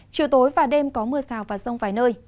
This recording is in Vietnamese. chiều tối và đêm có mưa rào và rông vài nơi